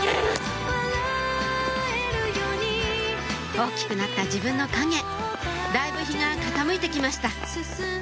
大きくなった自分の影だいぶ日が傾いてきました